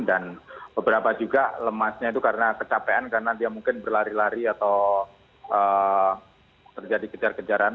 dan beberapa juga lemasnya itu karena kecapean karena dia mungkin berlari lari atau terjadi kejar kejaran